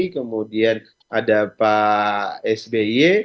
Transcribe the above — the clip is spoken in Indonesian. kemudian ada pak sby